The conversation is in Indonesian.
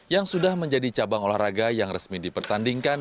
yang sudah menjadi cabang olahraga yang resmi dipertandingkan